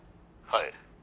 はい。